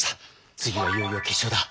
次はいよいよ決勝だ。